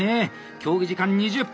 競技時間２０分！